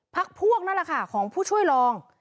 พักพวกนั่นแหละค่ะของผู้ช่วยรอง